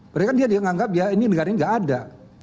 mereka kan dia yang nganggap ya ini negara ini nggak ada